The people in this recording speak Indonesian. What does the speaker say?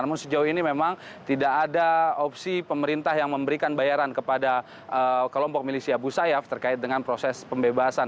namun sejauh ini memang tidak ada opsi pemerintah yang memberikan bayaran kepada kelompok milisi abu sayyaf terkait dengan proses pembebasan